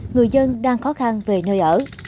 người dân đang khó khăn về nơi ở